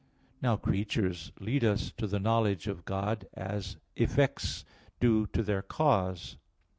Now creatures lead us to the knowledge of God, as effects do to their cause.